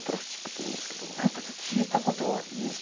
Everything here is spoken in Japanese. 何か聞いたことあるニュースとかで。